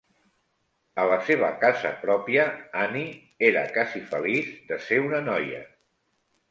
A la seva casa pròpia Annie era casi feliç de ser una noia.